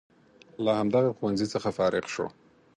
له همدغه ښوونځي څخه فارغ شو.